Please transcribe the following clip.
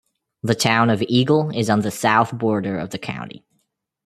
The Town of Eagle is on the south border of the county.